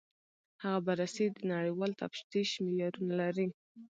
هغه بررسي د نړیوال تفتیش معیارونه لري.